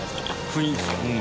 雰囲気が。